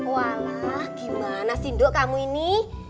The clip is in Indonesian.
walah gimana sih duk kamu ini